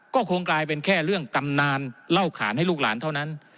ก็คงกลายเป็นแค่เรื่องตำนานเล่าขานให้ลูกหลานเท่านั้น